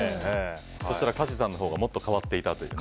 そうしたら加治さんのほうがもっと変わっていたという。